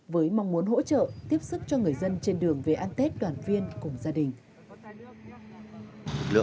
với mong muốn hỗ trợ tiếp sức cho người dân trên đường về an tết đoàn viên cùng gia đình